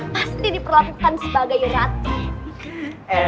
pasti diperlakukan sebagai ratu